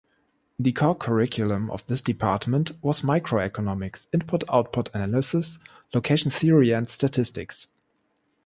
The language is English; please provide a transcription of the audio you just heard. The core curriculum of this department was microeconomics, input-output analysis, location theory, and statistics.